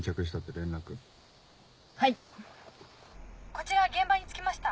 こちら現場に着きました。